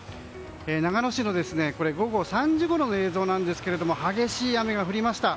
長野市の午後３時ごろの映像なんですけども激しい雨が降りました。